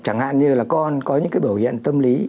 chẳng hạn như là con có những cái biểu hiện tâm lý